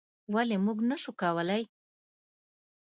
ولې موږ نشو کولی؟